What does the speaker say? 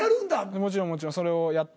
もちろんもちろんそれをやって。